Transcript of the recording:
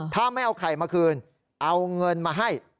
ถ้าไม่เอาไข่มาคืนเอาเงินมาให้